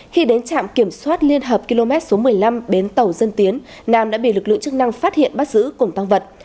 khi đến trạm kiểm soát liên hợp km số một mươi năm bến tàu dân tiến nam đã bị lực lượng chức năng phát hiện bắt giữ cùng tăng vật